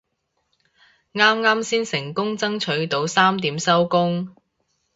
啱啱先成功爭取到三點收工